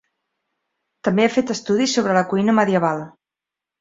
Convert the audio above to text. També ha fet estudis sobre la cuina medieval.